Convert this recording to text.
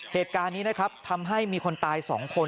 เหตุการณ์นี้นะครับทำให้มีคนตาย๒คน